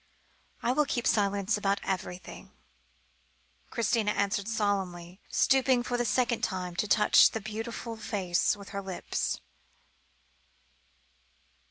"I will keep silence about everything," Christina answered solemnly, stooping for the second time to touch the beautiful face with her lips.